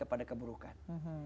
ya pada keburukan